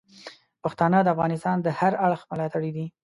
پښتانه د افغانستان د هر اړخ ملاتړي دي.